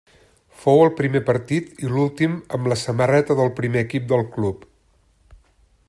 Fou el primer partit i l'últim amb la samarreta del primer equip del club.